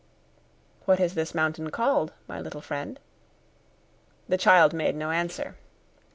_" ("What is this mountain called, my little friend?") The child made no answer.